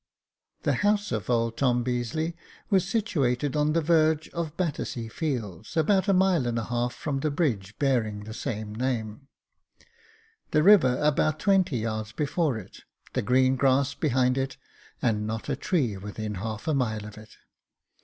The house of old Tom Beazeley was situated on the verge of Battersea Fields, about a mile and a half from the bridge bearing the same name ; the river about twenty yards before it — the green grass behind it, and not a tree within half a mile of it.